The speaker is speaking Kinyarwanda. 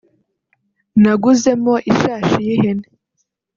naguze mo ishashi y’ihene